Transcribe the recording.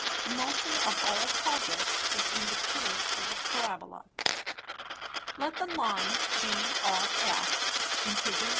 The Motion of all Projects is in the Curve of a Parabola: Let the Line GRF (in _Fig.